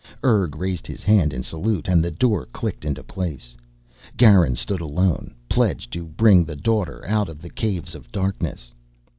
Urg raised his hand in salute and the door clicked into place. Garin stood alone, pledged to bring the Daughter out of the Caves of Darkness.